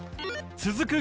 続く